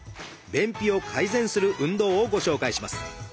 便秘を改善する運動をご紹介します。